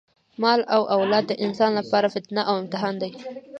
مال او اولاد د انسان لپاره فتنه او امتحان دی.